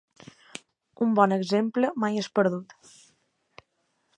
Un bon exemple mai és perdut.